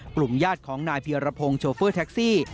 กลุ่มญาติของนายเพียรพงศ์โชเฟอร์แท็กซี่